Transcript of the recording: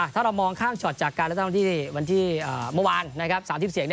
ถ้าเรามองข้างชอบจากการเรที่เมื่อวาน